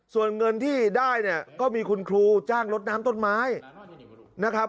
ส่วนเงินที่ได้เนี่ยก็มีคุณครูจ้างลดน้ำต้นไม้นะครับ